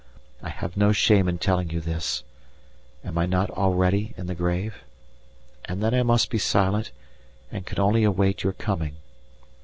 I have no shame in telling you this. Am I not already in the grave? And then I must be silent and can only await your coming.